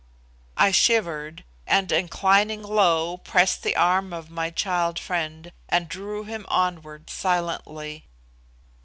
I shivered, and, inclining low, pressed the arm of my child friend, and drew him onward silently.